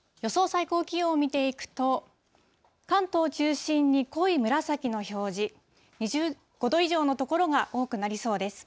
最高気温を見ていくと、関東を中心に、濃い紫の表示、２５度以上の所が多くなりそうです。